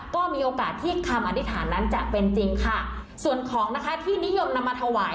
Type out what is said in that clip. ก็มีโอกาสที่คำอธิษฐานนั้นจะเป็นจริงค่ะส่วนของนะคะที่นิยมนำมาถวาย